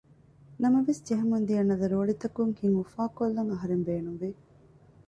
ނަމަވެސް ޖެހެމުންދިޔަ ނަލަ ރޯޅިތަކުން ހިތްއުފާކޮށްލަން އަހަރެން ބޭނުންވި